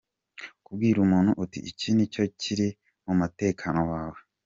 Kubwira umutu uti: “Iki ni cyo kiri mu mutekano wawe.